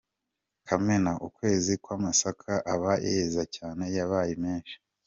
Kamena : Ukwezi kw’amasaka aba yeze cyane yabaye menshi.